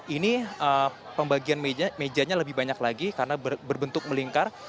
ini pembagian mejanya lebih banyak lagi karena berbentuk melingkar